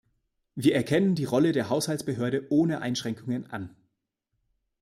Wir erkennen die Rolle der Haushaltsbehörde ohne Einschränkungen an.